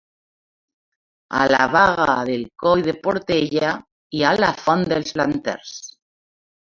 A la Baga del Coll de Portella hi ha la Font dels Planters.